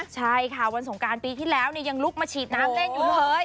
ใช่ค่ะวันสงการปีที่แล้วยังลุกมาฉีดน้ำเล่นอยู่เลย